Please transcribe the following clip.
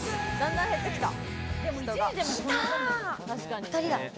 ２人だ。